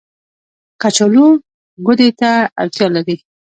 کچالو ګودې ته اړتيا لري